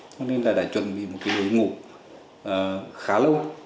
cho nên là đã chuẩn bị một người ngủ khá lâu